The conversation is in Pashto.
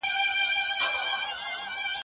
له افتخاراتو بې خبري بدبختي ده